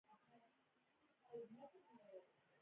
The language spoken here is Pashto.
ایا زه باید پلاو وخورم؟